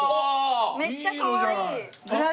めっちゃかわいい！